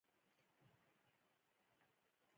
د هغه له مرګ وروسته ورور یې پر تخت کېناست.